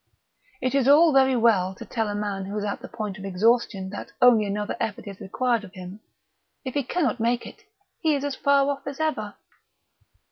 It is all very well to tell a man who is at the point of exhaustion that only another effort is required of him; if he cannot make it he is as far off as ever....